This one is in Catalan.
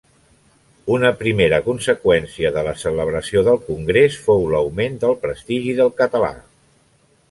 Una primera conseqüència de la celebració del Congrés fou l'augment del prestigi del català.